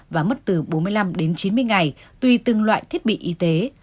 và mất từ bốn mươi năm đến chín mươi ngày tùy từng loại thiết bị y tế